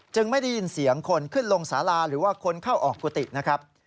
ไม่ได้ยินเสียงคนขึ้นลงสาราหรือว่าคนเข้าออกกุฏินะครับ